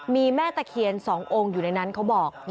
มีแม่ตะเคียน๒องค์อยู่ในนั้นเขาบอก